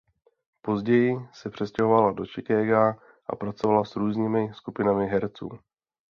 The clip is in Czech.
Později se přestěhovala do Chicaga a pracovala s různými skupinami herců.